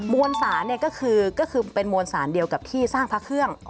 มวลสารเนี่ยก็คือเป็นมวลสารเดียวกับที่สร้างพระเครื่อง